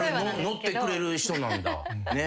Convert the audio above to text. ノってくれる人なんだ。